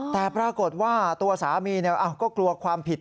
แต่ปรากฏว่าตัวสามีก็กลัวความผิด